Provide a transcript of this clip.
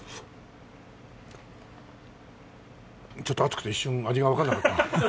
ちょっと熱くて一瞬味がわかんなかったな。